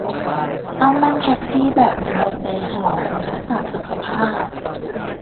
ต้องนั่งแท็กซี่แบบมีใบเตยหอม รักษาสุขภาพ